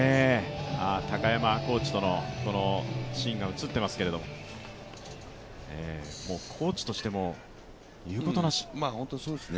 高山コーチとのシーンが映っていますけれども、コーチとしても言うことなし。